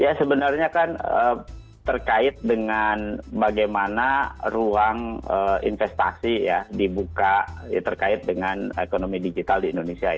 ya sebenarnya kan terkait dengan bagaimana ruang investasi ya dibuka ya terkait dengan ekonomi digital di indonesia